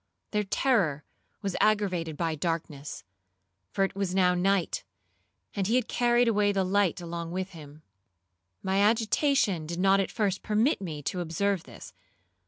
Their terror was aggravated by darkness, for it was now night, and he had carried away the light along with him. My agitation did not at first permit me to observe this.